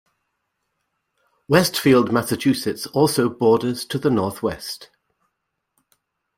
Westfield, Massachusetts, also borders to the northwest.